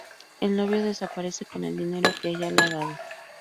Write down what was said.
El novio desaparece con el dinero que ella le ha dado.